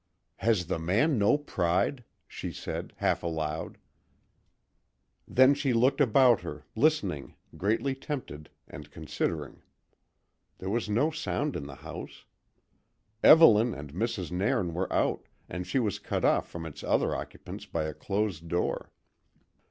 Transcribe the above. "Has the man no pride?" she said, half aloud. Then she looked about her, listening, greatly tempted, and considering. There was no sound in the house; Evelyn and Mrs. Nairn were out, and she was cut off from its other occupants by a closed door.